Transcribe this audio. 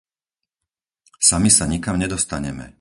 Sami sa nikam nedostaneme!